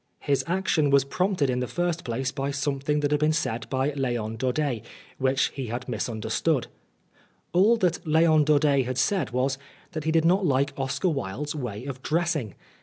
His action was prompted in the first place by something that had been said by Leon Daudet, which had been misunderstood. All that Leon Daudet had said was, that he did not like Oscar Wilde's way of dressing.